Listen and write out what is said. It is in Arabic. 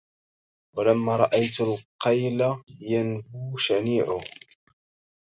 ولما رأيت القيل ينبو شنيعه